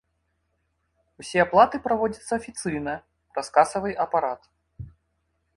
Усе аплаты праводзяцца афіцыйна, праз касавы апарат.